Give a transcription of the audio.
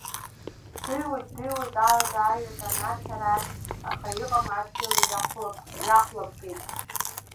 Дыҩуеит, дыҩуеит алада-аҩада, анахь-арахь, аха иҟам адгьыл иахәлабгеит.